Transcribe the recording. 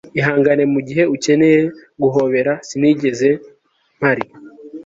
ihangane mugihe ukeneye guhobera sinigeze mpari